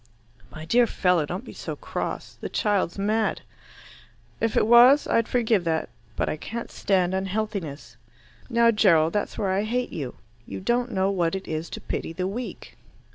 "My dear fellow don't be so cross. The child's mad." "If it was, I'd forgive that. But I can't stand unhealthiness." "Now, Gerald, that's where I hate you. You don't know what it is to pity the weak."